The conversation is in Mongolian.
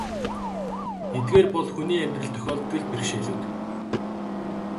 Эдгээр бол хүний амьдралд тохиолддог л бэрхшээлүүд.